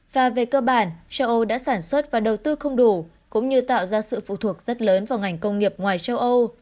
và về cơ bản châu âu đã sản xuất và đầu tư không đủ cũng như tạo ra sự phụ thuộc rất lớn vào ngành công nghiệp ngoài châu âu